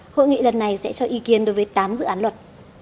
hội nghị lần này sẽ cho ý kiến đối với tám dự án luật